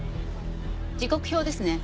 時刻表ですね。